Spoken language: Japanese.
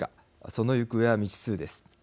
その行方は未知数です。